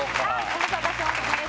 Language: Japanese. ご無沙汰してます